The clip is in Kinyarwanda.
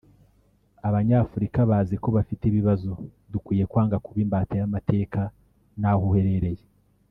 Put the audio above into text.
Abanyafurika bazi ko bafite ibibazo (…) dukwiye kwanga kuba imbata y’amateka n’aho uherereye